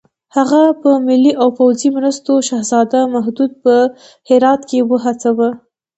هغه په مالي او پوځي مرستو شهزاده محمود په هرات کې وهڅاوه.